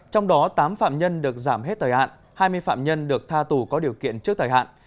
trong đó tám phạm nhân được giảm hết thời hạn hai mươi phạm nhân được tha tù có điều kiện trước thời hạn